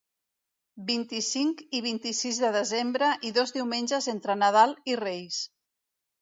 Vint-i-cinc i vint-i-sis de desembre i dos diumenges entre Nadal i Reis.